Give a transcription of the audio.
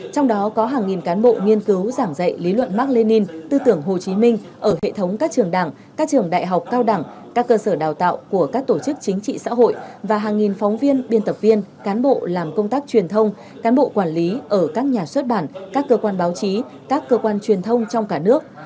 trong đó có hàng nghìn cán bộ nghiên cứu giảng dạy lý luận mark lenin tư tưởng hồ chí minh ở hệ thống các trường đảng các trường đại học cao đẳng các cơ sở đào tạo của các tổ chức chính trị xã hội và hàng nghìn phóng viên biên tập viên cán bộ làm công tác truyền thông cán bộ quản lý ở các nhà xuất bản các cơ quan báo chí các cơ quan truyền thông trong cả nước